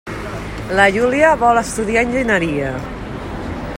La Júlia vol estudiar enginyeria.